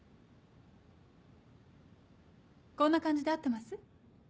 こんな感じで合ってます？